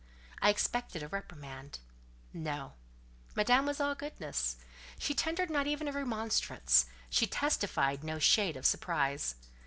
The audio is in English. I expected a reprimand. No. Madame was all goodness. She tendered not even a remonstrance; she testified no shade of surprise.